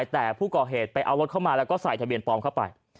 แต่ผู้ก่อเหตุไปเอารถเข้ามาแล้วก็ใส่ทะเบียนปลอมเข้าไป